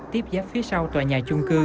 tiếp giáp phía sau tòa nhà chung cư